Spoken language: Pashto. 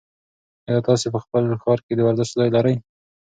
ایا تاسي په خپل ښار کې د ورزش ځای لرئ؟